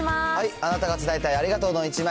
あなたが伝えたいありがとうの１枚。